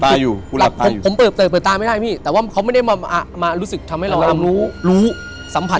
ผมเปิดตาไม่ได้พี่แต่ว่าเขาไม่ได้มารู้สึกทำให้เรารู้รู้สัมผัส